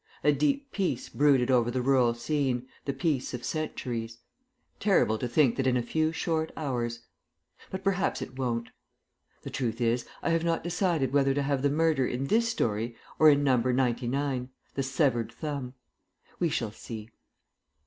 A deep peace brooded over the rural scene, the peace of centuries. Terrible to think that in a few short hours ... but perhaps it won't. The truth is I have not quite decided whether to have the murder in this story or in No. XCIX. The Severed Thumb. We shall see.